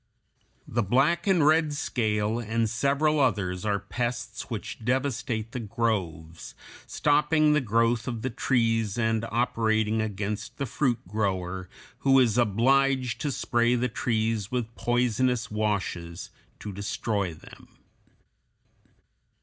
The black and red scale and several others are pests which devastate the groves, stopping the growth of the trees and operating against the fruit grower, who is obliged to spray the trees with poisonous washes to destroy them.